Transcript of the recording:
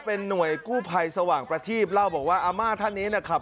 เป็นหน่วยกู้ภัยสว่างประทีบเล่าบอกว่าอาม่าท่านนี้นะครับ